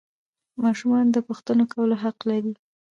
ماشومان د پوښتنو کولو حق لري